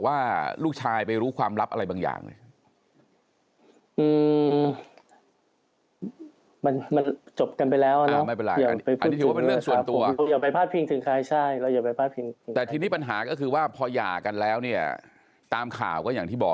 อย่าไปพูดถึงดีกว่ามันจบไปแล้วครับ